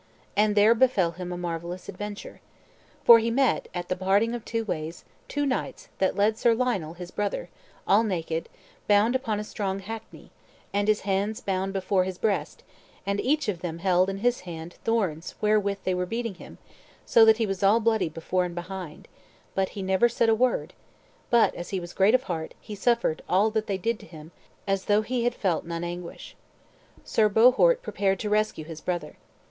And there befell him a marvellous adventure. For he met, at the parting of two ways, two knights that led Sir Lionel, his brother, all naked, bound upon a strong hackney, and his hands bound before his breast; and each of them held in his hand thorns wherewith they went beating him, so that he was all bloody before and behind; but he said never a word, but, as he was great of heart, he suffered all that they did to him as though he had felt none anguish. Sir Bohort prepared to rescue his brother.